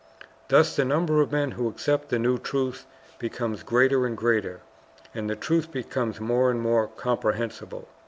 Thus the number of men who accept the new truth becomes greater and greater, and the truth becomes more and more comprehensible.